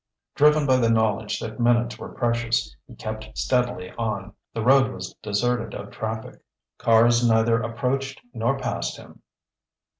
Driven by the knowledge that minutes were precious, he kept steadily on. The road was deserted of traffic. Cars neither approached nor passed him.